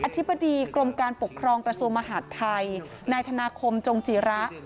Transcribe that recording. ธิบดีกรมการปกครองกระทรวงมหาดไทยนายธนาคมจงจีระ